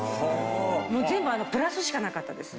全部プラスしかなかったです。